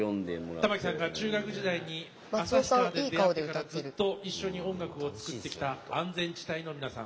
玉置さんが中学時代に旭川で出会ってからずっと一緒に音楽を作ってきた安全地帯の皆さん。